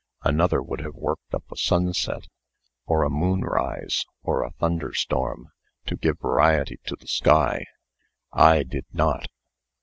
Another would have worked up a sunset, or a moonrise, or a thunder storm, to give variety to the sky. I did not.